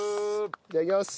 いただきます。